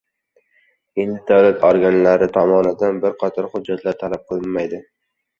Endi davlat organlari tomonidan bir qator hujjatlar talab qilinmaydi